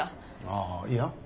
あぁいや。